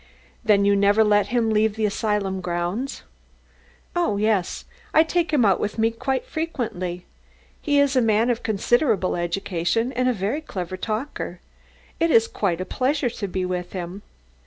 "Then you never let him leave the asylum grounds? "Oh, yes. I take him out with me very frequently. He is a man of considerable education and a very clever talker. It is quite a pleasure to be with him.